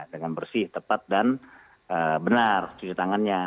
dengan bersih tepat dan benar cuci tangannya